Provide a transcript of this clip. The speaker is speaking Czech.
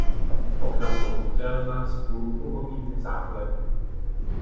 Okna jsou obdélná s půlkruhovými záklenky.